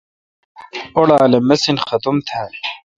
اوڑال اے مسین ختُم تھال۔